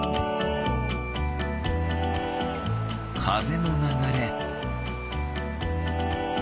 かぜのながれ。